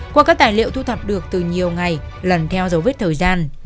qua các tài liệu thu thập được từ nhiều ngày lần theo dấu vết thời gian